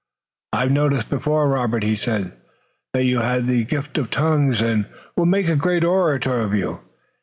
"I've noticed before, Robert," he said, "that you had the gift of tongues, and we'll make a great orator of you.